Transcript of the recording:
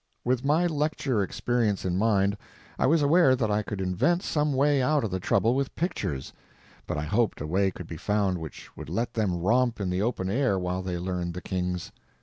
With my lecture experience in mind I was aware that I could invent some way out of the trouble with pictures, but I hoped a way could be found which would let them romp in the open air while they learned the kings.